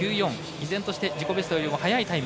依然として自己ベストよりも速いタイム。